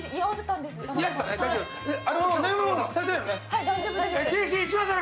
はい大丈夫です。